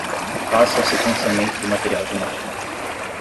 Faça o sequenciamento do material genético